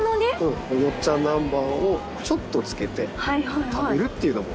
よっちゃんなんばんをちょっとつけて食べるっていうのも。